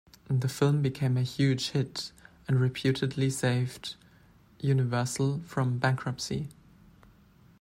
The film became a huge hit and reputedly saved Universal from bankruptcy.